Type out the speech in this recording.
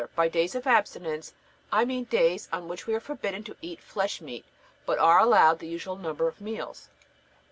By days of abstinence I mean days on which we are forbidden to eat flesh meat, but are allowed the usual number of meals.